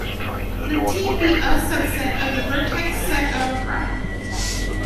Let "T" be a subset of the vertex set of a graph.